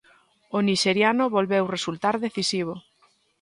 O nixeriano volveu resultar decisivo.